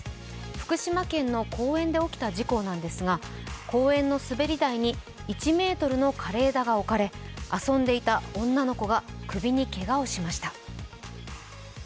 福島県の公園で起きた事故なんですが公園の滑り台に１ｍの枯れ枝が置かれ、遊んでいた女の子が首にけがをしました。